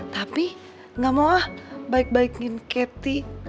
tapi nggak mau ah baik baikin cathy